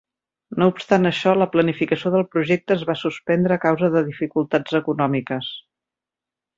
No obstant això, la planificació del projecte es va suspendre a causa de dificultats econòmiques.